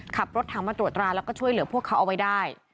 ขับรถถังมาตรวจตราแล้วก็ช่วยเหลือพวกเขาเอาไว้ได้